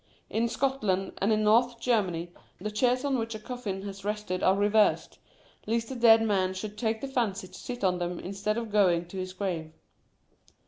In Scotland, and in Curiosities of Olden Times North Germany, the chairs on which a coffin has rested are reversed, lest the dead man should take the fancy to sit on them instead of going to his grave.